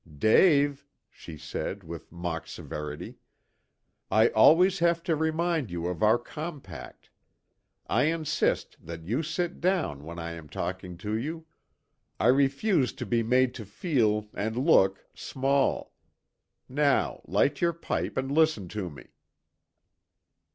"Dave," she said, with mock severity, "I always have to remind you of our compact. I insist that you sit down when I am talking to you. I refuse to be made to feel and look small. Now light your pipe and listen to me."